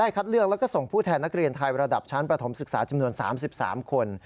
คัดเลือกแล้วก็ส่งผู้แทนนักเรียนไทยระดับชั้นประถมศึกษาจำนวน๓๓คน